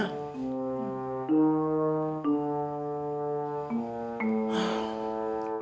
tidak ada kekeluargaannya